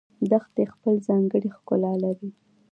دښتې خپل ځانګړی ښکلا لري